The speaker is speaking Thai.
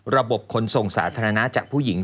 ระบบขนส่งสาธารณะจากผู้หญิง